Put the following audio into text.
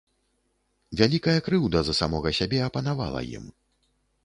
Вялікая крыўда за самога сябе апанавала ім.